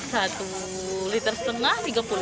ya satu liter setengah rp tiga puluh